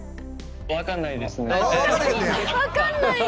分かんないですね。